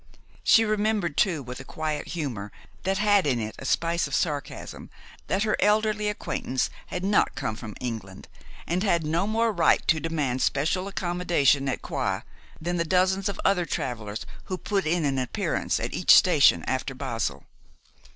She remembered too, with a quiet humor that had in it a spice of sarcasm, that her elderly acquaintance had not come from England, and had no more right to demand special accommodation at Coire than the dozens of other travelers who put in an appearance at each station after Basle.